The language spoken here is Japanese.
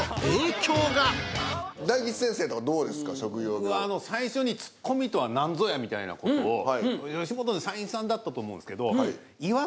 僕は最初にツッコミとは何ぞやみたいな事を吉本の社員さんだったと思うんですけど。